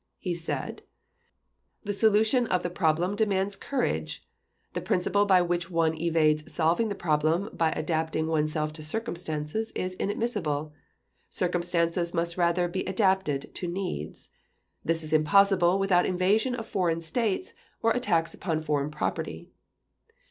He said: "The solution of the problem demands courage. The principle by which one evades solving the problem by adapting oneself to circumstances is inadmissible. Circumstances must rather be adapted to needs. This is impossible without invasion of foreign States or attacks upon foreign property."